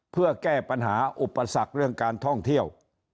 เพื่อแก้ปัญหาอุปสรรคเรื่องการท่องเที่ยว